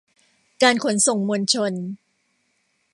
การขนส่งมวลชน